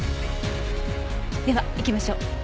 では行きましょう。